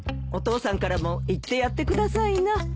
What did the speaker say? お父さんからも言ってやってくださいな。